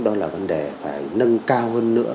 đó là vấn đề phải nâng cao hơn nữa